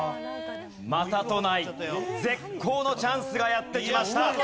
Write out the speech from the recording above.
またとない絶好のチャンスがやってきました。